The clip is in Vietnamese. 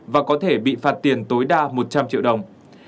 và có thể bị phạt tiền tối đa một trăm linh triệu đồng